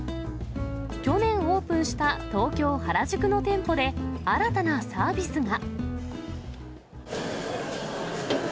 去年オープンした、東京・原宿の店舗で、新たなサービスが。